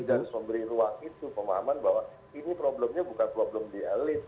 harus memberi ruang itu pemahaman bahwa ini problemnya bukan problem di elit